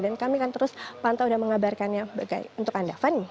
dan kami akan terus pantau dan mengabarkannya untuk anda